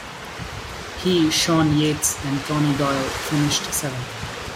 He, Sean Yates and Tony Doyle finished seventh.